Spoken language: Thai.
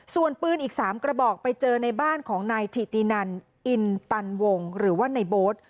ส่วนปืนอีก๓กระบอกไปเจอในบ้านของนายถิตินันอินตันวงหรือว่าในโบ๊ท